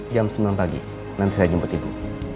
jam sembilan pagi nanti saya jemput ibu